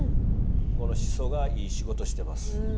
このしそがいい仕事してます。